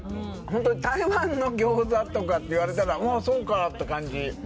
ホントに台湾の餃子とかって言われたらああそうかって感じ